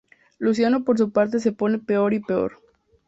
Luciano por su parte se pone peor y peor.